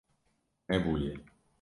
Nebûye.